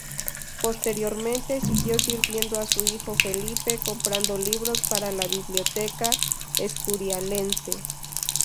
Posteriormente siguió sirviendo a su hijo Felipe comprando libros para la biblioteca escurialense.